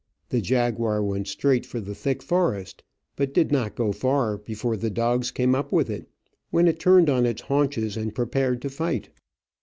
The jaguar went straight for the thick forest, but did not go far before the dogs came up with it, when it turned on its haunches and prepared to fight.